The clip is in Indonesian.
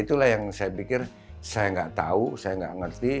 itulah yang saya pikir saya nggak tahu saya nggak ngerti